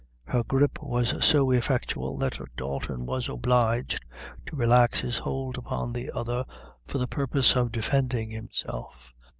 Her grip was so effectual, that Dalton was obliged to relax his hold upon the other for the purpose of defending himself.